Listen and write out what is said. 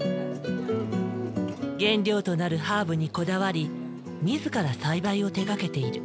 原料となるハーブにこだわり自ら栽培を手がけている。